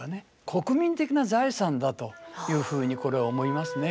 国民的な財産だというふうにこれは思いますね。